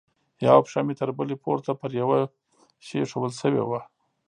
يوه پښه مې تر بلې پورته پر يوه شي ايښوول سوې وه.